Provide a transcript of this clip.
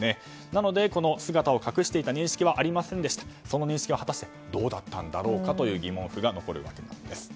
なので、姿を隠していた認識はありませんでしたというその認識は果たしてどうだったんだろうと疑問符が残るわけです。